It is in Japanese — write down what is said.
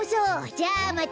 じゃあまた！